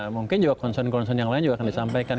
mungkin juga concern concern yang lain juga akan disampaikan